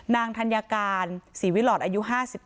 นางธัญการสีวิหลอดอายุ๕๔